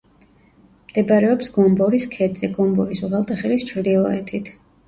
მდებარეობს გომბორის ქედზე, გომბორის უღელტეხილის ჩრდილოეთით.